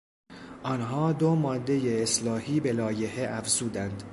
آنها دو مادهی اصلاحی به لایحه افزودند.